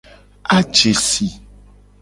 Aje si.